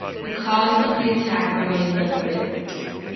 The cause of the attack remains unclear.